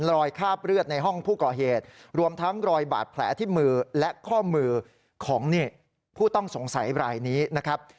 คาบเลือดในห้องผู้ก่อเหตุรวมทั้งรอยบาดแผลที่มือและข้อมือของผู้ต้องสงสัยรายนี้นะครับ